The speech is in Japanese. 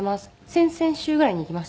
先々週ぐらいに行きました。